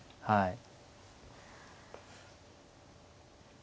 はい。